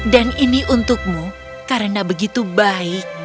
dan ini untukmu karena begitu baik